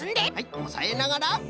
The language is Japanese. おさえながら。